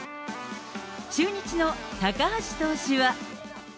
中日の高橋投手は。